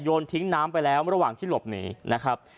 ทิ้งน้ำไปแล้วระหว่างที่หลบหนีนะครับ